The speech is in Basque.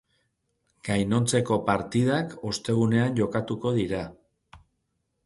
Gainontzeko partidak ostegunean jokatuko dira.